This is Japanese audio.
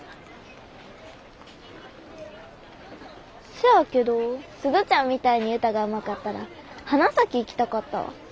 せやけど鈴ちゃんみたいに歌がうまかったら花咲行きたかったわ。